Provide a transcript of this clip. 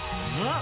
う！